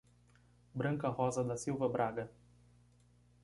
Branca Rosa da Silva Braga